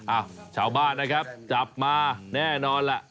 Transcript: อ้าวชาวบ้านนะครับจับมาแน่นอนแหละ